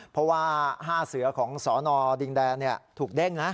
เพราะว่า๕เสือของสนดินแดนถูกเด้งนะ